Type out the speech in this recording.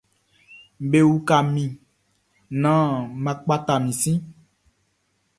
Bewuka mi, nan man kpata mi si.